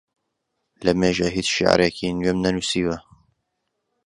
لەمێژە هیچ شیعرێکی نوێم نەنووسیوە.